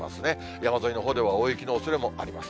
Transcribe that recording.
山沿いのほうでは大雪のおそれもあります。